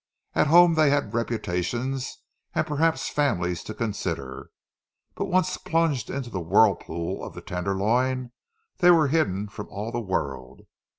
At home they had reputations, and perhaps families to consider; but once plunged into the whirlpool of the Tenderloin, they were hidden from all the world.